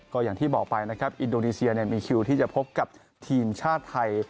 ก็อย่างที่บอกไปนะครับอินโดนีเซียมีคิวที่จะพบกับทีมชาติไทย